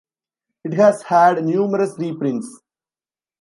It has had numerous reprints.